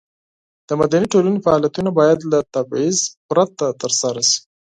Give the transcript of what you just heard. د مدني ټولنې فعالیتونه باید له تبعیض پرته ترسره شي.